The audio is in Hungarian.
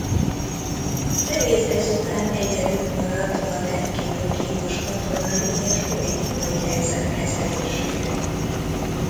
Teréz ezután egyedül maradt a rendkívül kínos katonai és politikai helyzet kezelésére.